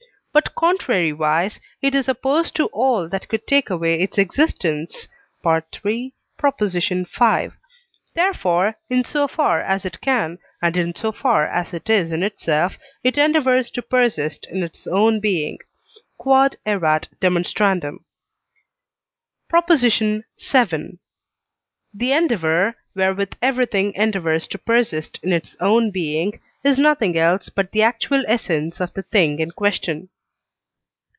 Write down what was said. but contrariwise it is opposed to all that could take away its existence (III. v.). Therefore, in so far as it can, and in so far as it is in itself, it endeavours to persist in its own being. Q.E.D. PROP. VII. The endeavour, wherewith everything endeavours to persist in its own being, is nothing else but the actual essence of the thing in question.